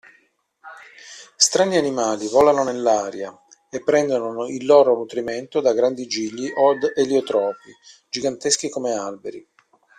Strani animali volano nell'aria, e prendono il loro nutrimento da grandi gigli od eliotropi, giganteschi come alberi.